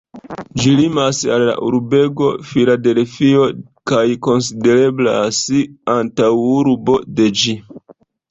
Ĝi limas al la urbego Filadelfio kaj konsidereblas antaŭurbo de ĝi.